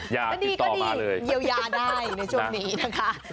อยากติดต่อมาเลยก็ดีก็ดีเยียวยาได้ในช่วงนี้นะคะ